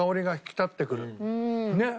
ねっ！